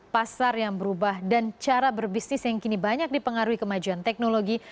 pasar yang berubah dan cara berbisnis yang kini banyak dipengaruhi kemajuan teknologi